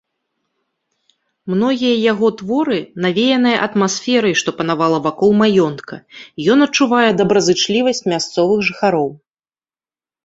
Многія яго творы навеяныя атмасферай, што панавала вакол маёнтка, ён адчувае добразычлівасць мясцовых жыхароў.